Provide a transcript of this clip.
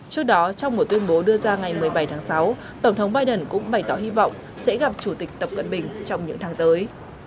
trước đó trong một tuyên bố đưa ra ngày một mươi bảy tháng sáu tổng thống biden cũng bày tỏ hy vọng sẽ gặp chủ tịch tập cận bình trong những tháng tới